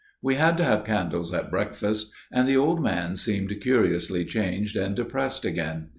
We had to have candles at breakfast, and the old man seemed curiously changed and depressed again.